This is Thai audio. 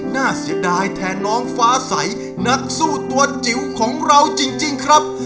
น่าเสียดายแทนน้องฟ้าใสนักสู้ตัวจิ๋วของเราจริงครับ